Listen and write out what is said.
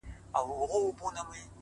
مثبت لید افقونه پراخوي